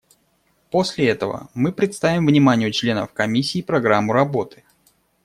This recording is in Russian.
После этого мы представим вниманию членов Комиссии программу работы.